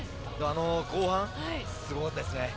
後半、すごかったですね。